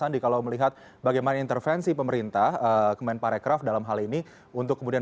andi kalau melihat bagaimana intervensi pemerintah kemenparekraf dalam hal ini untuk kemudian